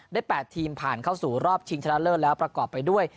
๘ทีมผ่านเข้าสู่รอบชิงชนะเลิศแล้วประกอบไปด้วย